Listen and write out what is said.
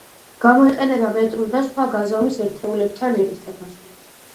გამოიყენება მეტრულ და სხვა გაზომვის ერთეულებთან ერთან.